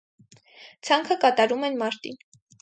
Ցանքը կատարում են մարտին։